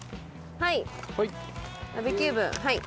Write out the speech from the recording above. はい。